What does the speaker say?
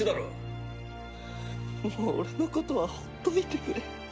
もう俺のことはほっといてくれ。